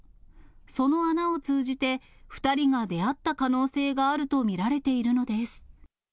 その穴を通じて、２人が出会った可能性があると見られているのです。